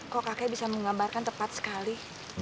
kok kakek bisa menggambarkan tepat sekali